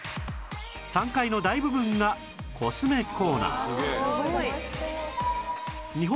３階の大部分がコスメコーナー